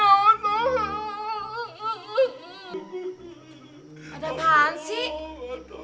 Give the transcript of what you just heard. ada apaan sih